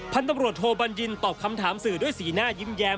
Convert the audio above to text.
พันธุ์ตำรวจโทบัญญินตอบคำถามสื่อด้วยสีหน้ายิ้มแย้ม